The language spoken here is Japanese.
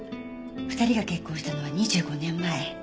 ２人が結婚したのは２５年前。